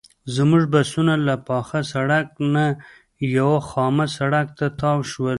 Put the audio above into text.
زموږ بسونه له پاخه سړک نه یوه خامه سړک ته تاو شول.